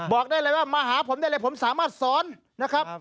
บอกได้เลยว่ามาหาผมได้เลยผมสามารถสอนนะครับ